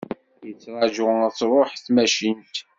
Yettraju ad truḥ tmacint.